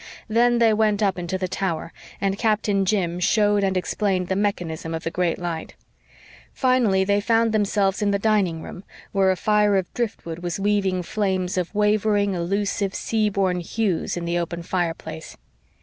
Then they went up into the tower, and Captain Jim showed and explained the mechanism of the great light. Finally they found themselves in the dining room, where a fire of driftwood was weaving flames of wavering, elusive, sea born hues in the open fireplace.